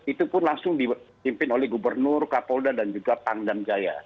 itu pun langsung dipimpin oleh gubernur kapolda dan juga pangdam jaya